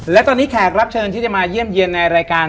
และตอนนี้แขกรับเชิญที่จะมาเยี่ยมเยี่ยมในรายการ